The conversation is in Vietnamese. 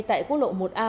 tại quốc lộ một a